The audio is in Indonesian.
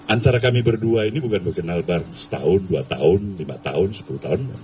antara kami berdua ini bukan mengenal setahun dua tahun lima tahun sepuluh tahun